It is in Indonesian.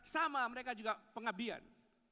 sama mereka juga pengabdian